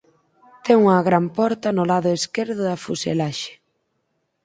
Ten unha gran porta no lado esquerdo da fuselaxe.